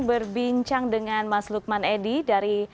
berbincang dengan mas lukman edi dari